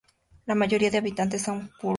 La mayoría de habitantes son kurdos y asirios.